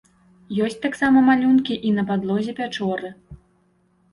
Ёсць таксама малюнкі і на падлозе пячоры.